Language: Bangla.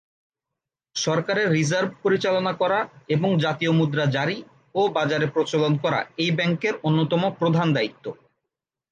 সরকারের রিজার্ভ পরিচালনা করা এবং জাতীয় মুদ্রা জারি ও বাজারে প্রচলন করা এই ব্যাংকের অন্যতম প্রধান দায়িত্ব।